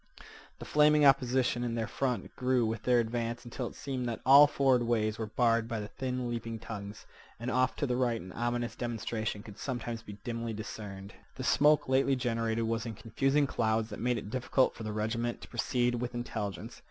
The flaming opposition in their front grew with their advance until it seemed that all forward ways were barred by the thin leaping tongues, and off to the right an ominous demonstration could sometimes be dimly discerned. The smoke lately generated was in confusing clouds that made it difficult for the regiment to proceed with intelligence.